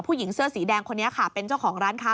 ผู้หญิงเสื้อสีแดงคนนี้ค่ะเป็นเจ้าของร้านค้า